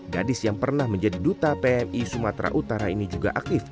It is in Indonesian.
gadis yang pernah menjadi duta pmi sumatera utara ini juga aktif